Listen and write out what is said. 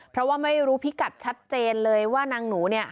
เพราะว่าไม่รู้พิกัดชัดเจนเลยว่านางหนูเนี่ย